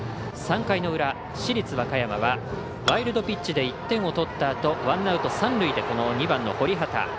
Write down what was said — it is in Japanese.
３回の裏、市立和歌山はワイルドピッチで１点を取ったあとワンアウト、三塁で２番の堀畑。